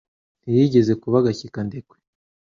Ntiyigeze kuba Gashyika ndekwe